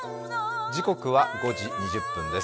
時刻は５時２０分です。